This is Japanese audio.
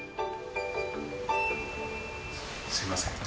すいません。